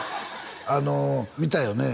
あの見たよね